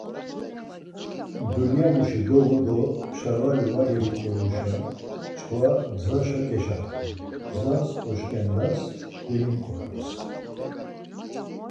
Duylamuşi dovu do şarvali var gelinǩoruşa çkva gzaşe keşaxtu, gzaş oşkendas gelinǩorams.